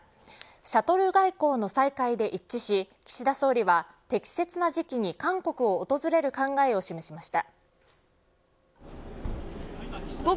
シャトル外交の再開で一致し岸田総理は適切な時期に韓国を訪れる考えを示しました。